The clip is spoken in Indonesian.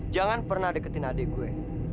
jangan pernah deketin adik gue